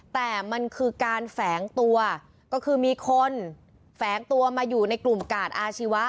แต่มันคือการแฝงตัวก็คือมีคนแฝงตัวมาอยู่ในกลุ่มกาดอาชีวะ